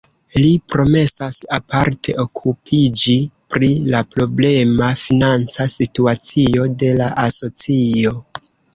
Li promesas aparte okupiĝi pri la problema financa situacio de la asocio.